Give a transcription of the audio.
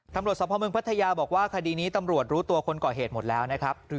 สภาพเมืองพัทยาบอกว่าคดีนี้ตำรวจรู้ตัวคนก่อเหตุหมดแล้วนะครับ